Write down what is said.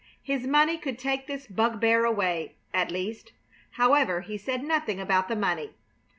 His money could take this bugbear away, at least. However, he said nothing about the money.